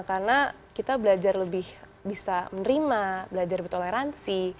karena kita belajar lebih bisa menerima belajar bertoleransi